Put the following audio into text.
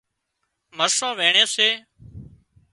مرسان وينڻي سي